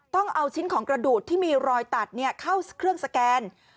ต้องเอาชิ้นของกระดูกที่มีรอยตัดเข้าเครื่องสแกน